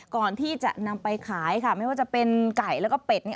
ก่อนที่จะนำไปขายค่ะไม่ว่าจะเป็นไก่แล้วก็เป็ดเนี่ย